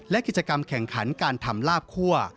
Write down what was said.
และกิจกรรมแข่งขันการทำลาบคั่ว